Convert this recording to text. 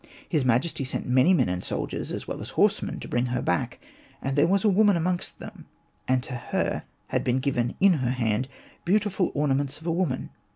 His majesty sent many men and soldiers, as well as horsemen, to bring her back. And there was a woman amongst them, and to her had been given in her hand beautiful ornaments of a woman.